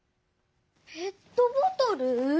ペットボトル？